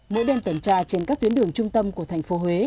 mỗi đêm tuần tra trên các tuyến đường trung tâm của tp hcm